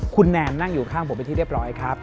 คุณแนนนั่งอยู่ข้างผมเป็นที่เรียบร้อยครับ